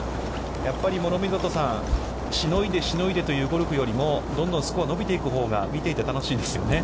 やっぱり諸見里さん、しのいで、しのいでというゴルフよりも、どんどんスコアが伸びていくほうが見ていて楽しいですよね。